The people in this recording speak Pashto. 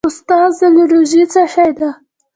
استاده الرژي څه شی ده